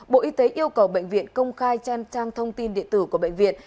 bộ y tế yêu cầu bệnh viện công khai trên trang thông tin địa tử của bệnh viện